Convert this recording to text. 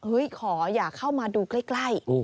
ขออย่าเข้ามาดูใกล้